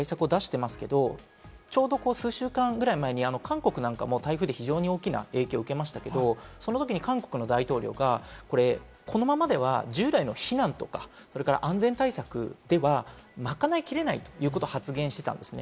もちろん国なんかも対策出していますけれど、ちょうど数週間ぐらい前に韓国なんかも台風で大きな影響を受けましたけれども、そのときに韓国の大統領がこのままでは従来の避難とか、安全対策では賄いきれないと発言していました。